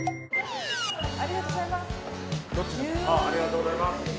ありがとうございます。